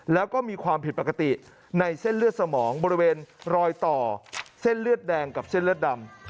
แล้วก็มีความผิดปกติในเส้นเลือดสมองบริเวณรอยต่อเส้นเลือดแดงกับเส้นเลือดดำ